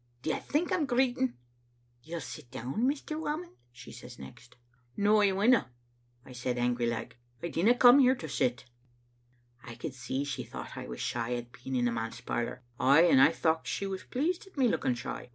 Do you think I'm greeting? " 'You'll sit down, Mr. Whamond,' she says next. "*No, I winna,' I said, angry like. 'I didna come here to sit. '" I could see she thocht I was shy at being in the manse parlor; ay, and I thocht she was pleased at me looking shy.